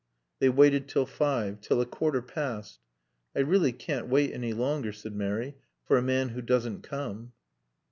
They waited till five; till a quarter past. "I really can't wait any longer," said Mary, "for a man who doesn't come."